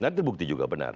nah itu bukti juga benar